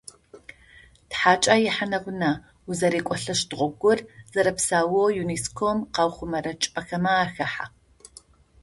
Тхьакӏэ ихьанэ-гъунэ узэрекӏолӏэщт гъогур зэрэпсаоу ЮНЕСКО-м къыухъумэрэ чӏыпӏэхэм ахахьэ.